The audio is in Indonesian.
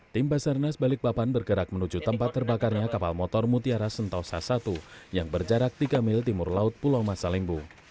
tim basarnas balikpapan bergerak menuju tempat terbakarnya kapal motor mutiara sentosa i yang berjarak tiga mil timur laut pulau masalimbu